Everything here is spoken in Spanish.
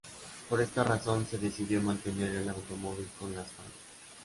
Por esta razón se decidió mantener el automóvil con las fallas.